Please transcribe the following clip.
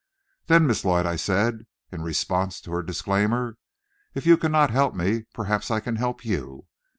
"Then, Miss Lloyd," I said, in response to her disclaimer, "if you cannot help me, perhaps I can help you.